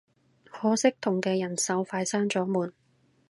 可惜同嘅人手快閂咗門